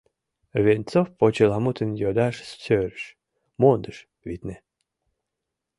Венцов почеламутым йодаш сӧрыш — мондыш, витне.